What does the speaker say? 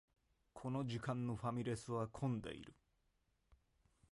この時間のファミレスは混んでいる